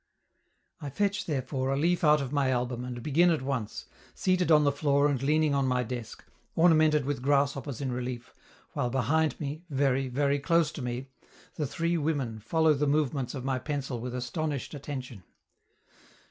I fetch, therefore, a leaf out of my album, and begin at once, seated on the floor and leaning on my desk, ornamented with grasshoppers in relief, while behind me, very, very close to me, the three women follow the movements of my pencil with astonished attention.